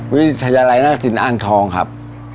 วิทยาลัยหน้าสินอ้างทองครับ